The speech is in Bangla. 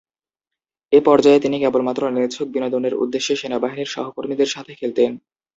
এ পর্যায়ে তিনি কেবলমাত্র নিছক বিনোদনের উদ্দেশ্যে সেনাবাহিনীর সহকর্মীদের সাথে খেলতেন।